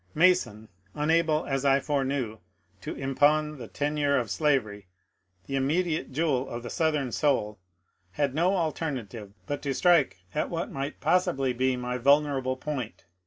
Mason, unable as I foreknew to impawn the tenure of slavery, the immediate jewel of the Southern soul, had no alternative but to strike at what might possibly be my vulnerable point.